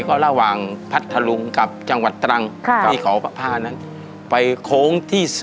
ก็ระหว่างพัทหลุงกับจังหวัดตรัง